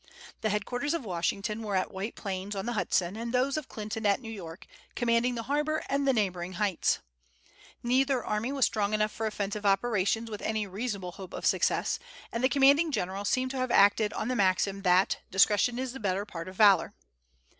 The headquarters of Washington were at White Plains, on the Hudson, and those of Clinton at New York, commanding the harbor and the neighboring heights. Neither army was strong enough for offensive operations with any reasonable hope of success, and the commanding generals seem to have acted on the maxim that "discretion is the better part of valor."